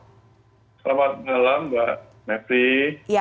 selamat malam mbak mepri